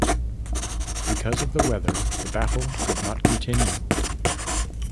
Because of the weather the battle could not continue.